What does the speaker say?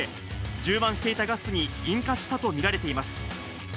充満していたガスに引火したと見られています。